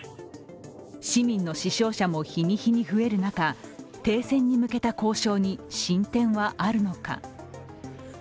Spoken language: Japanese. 市民の死傷者も日に日に増える中、停戦に向けた交渉に進展はあるのか。